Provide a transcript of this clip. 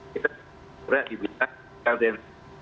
kita sudah dibisa karden